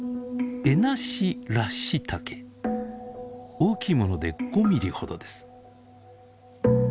大きいもので５ミリほどです。